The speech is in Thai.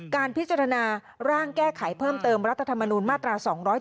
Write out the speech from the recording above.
การพิจารณาร่างแก้ไขเพิ่มเติมรัฐธรรมนูญมาตรา๒๗